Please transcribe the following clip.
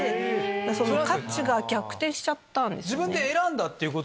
その価値が逆転しちゃったんですよね。